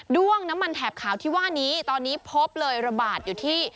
้วงน้ำมันแถบขาวที่ว่านี้ตอนนี้พบเลยระบาดอยู่ที่